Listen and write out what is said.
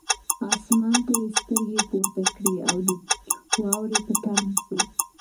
اسمان ته یې سترګې پورته کړې او د واورې په تمه شو.